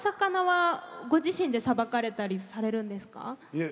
いえ。